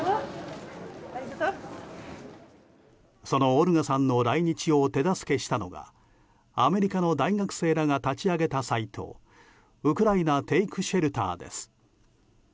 そのオルガさんの来日を手助けしたのがアメリカの大学生らが立ち上げたサイトウクライナ・テイク・シェルターです。